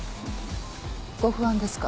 ご不安ですか？